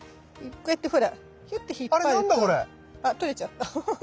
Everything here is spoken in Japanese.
あっ取れちゃった。